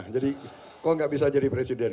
jadi kok gak bisa jadi presiden